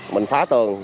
mình phá tường